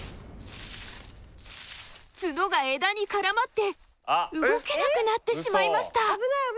ツノが枝に絡まって動けなくなってしまいました。